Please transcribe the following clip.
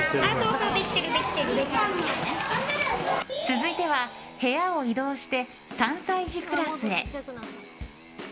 続いては部屋を移動して３歳児クラスへ。